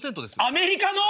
アメリカの？